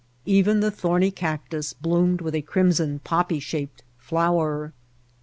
Even the thorny cactus bloomed with a crimson, poppy shaped flower.